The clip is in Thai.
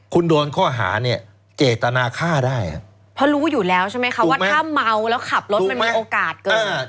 คุณโดนข้อหาเนี่ยเจตนาฆ่าได้อ่ะเพราะรู้อยู่แล้วใช่ไหมคะว่าถ้าเมาแล้วขับรถมันมีโอกาสเกิด